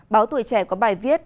báo tuổi trẻ có bài viết